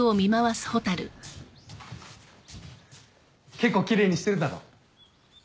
結構奇麗にしてるだろ。